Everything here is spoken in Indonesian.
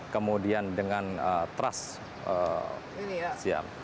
kemudian dengan trust siap